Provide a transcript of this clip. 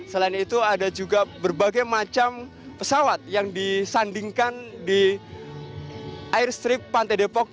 selain itu ada juga berbagai macam pesawat yang disandingkan di air street pantai depok